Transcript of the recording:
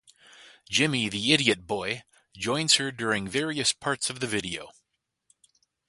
Jimmy the Idiot Boy joins her during various parts of the video.